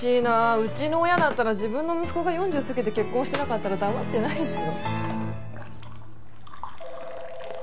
うちの親だったら自分の息子が４０過ぎて結婚してなかったら黙ってないですよ。